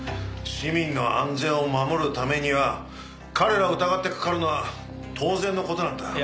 市民の安全を守るためには彼らを疑ってかかるのは当然の事なんだ。